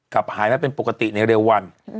กลับหายแล้วเป็นปกติในเร็ววัน